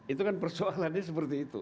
itu kan persoalannya seperti itu